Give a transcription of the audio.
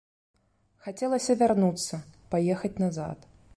Хацелася вярнуцца, паехаць назад.